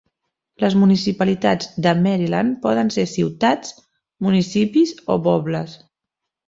Les municipalitats de Maryland poden ser ciutats, municipis o pobles.